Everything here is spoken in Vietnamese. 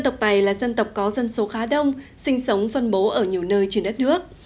đây là dân tộc có dân số khá đông sinh sống phân bố ở nhiều nơi trên đất nước